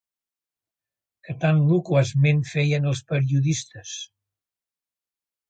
Que tan loquaçment feien els periodistes